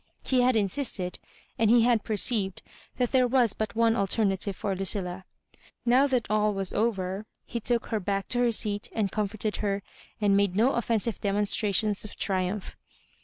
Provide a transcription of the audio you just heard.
He had insisted, and he had perceived that there was but one alterna tive for Lucilla. Now that all Was over, he took her back to her seat, and comforted her, and made no offensive demonstrations of triumph.